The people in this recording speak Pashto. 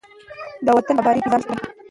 د وطن په ابادۍ کې ځان شریک کړئ.